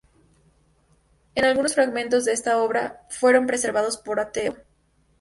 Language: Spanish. Algunos fragmentos de esta obra fueron preservados por Ateneo.